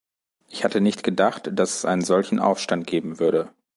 Ich hatte nicht gedacht, dass es einen solchen Aufstand geben würde.